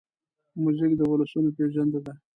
موزیک د ولسونو پېژندنه ده.